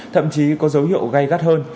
thậm chí có dấu hiệu gai gắt hơn